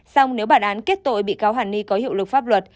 xong nếu bản án kết tội bị cáo hàn ni có hiệu lực pháp luật